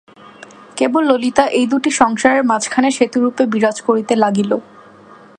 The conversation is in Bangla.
কেবল ললিতা এই দুটি সংসারের মাঝখানে সেতুস্বরূপে বিরাজ করিতে লাগিল।